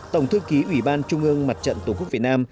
tổng thư ký ủy ban trung ương mặt trận tổ quốc việt nam